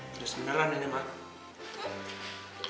udah sembilan ini mah